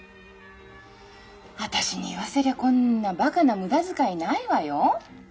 私に言わせりゃこんなバカな無駄遣いないわよ？